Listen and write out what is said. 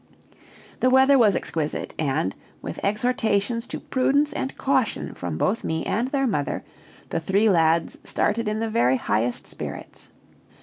The weather was exquisite; and, with exhortations to prudence and caution from both me and their mother, the three lads started in the very highest spirits.